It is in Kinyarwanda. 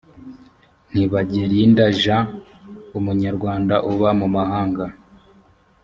ntibagerinda jean umunyarwanda uba mumahanga